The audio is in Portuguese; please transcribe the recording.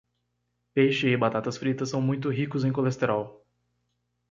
Peixe e batatas fritas são muito ricos em colesterol.